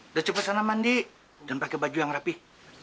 udah coba sana mandi dan pakai baju yang rapih